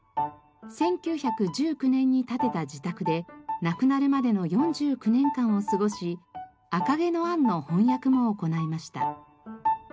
１９１９年に建てた自宅で亡くなるまでの４９年間を過ごし『赤毛のアン』の翻訳も行いました。